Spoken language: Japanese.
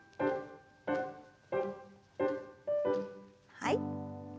はい。